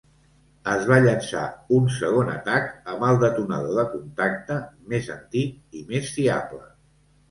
Es va llançar un segon atac amb el detonador de contacte més antic, i més fiable.